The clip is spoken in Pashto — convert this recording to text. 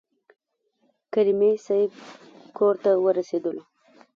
کریمي صیب کورته ورسېدلو.